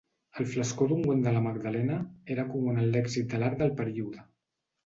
El flascó d'ungüent de la Magdalena era comú en el lèxic de l'art del període.